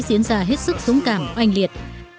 diễn ra hết sức súng cảm oanh liệt